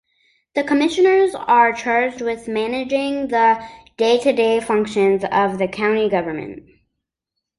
The commissioners are charged with managing the day-to-day functions of the county government.